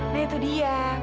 nah itu dia